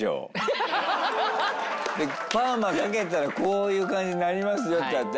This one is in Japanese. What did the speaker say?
「パーマかけたらこういう感じになりますよ」って言われて。